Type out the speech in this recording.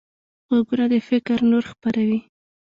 غوږونه د فکر نور خپروي